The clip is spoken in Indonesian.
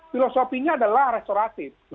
filosofinya adalah restoratif